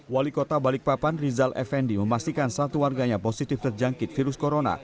wali kota balikpapan rizal effendi memastikan satu warganya positif terjangkit virus corona